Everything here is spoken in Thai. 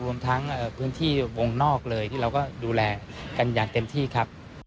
รวมทั้งพื้นที่วงนอกเลยที่เราก็ดูแลกันอย่างเต็มที่ครับ